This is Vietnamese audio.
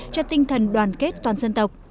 cho tinh thần đoàn kết toàn dân tộc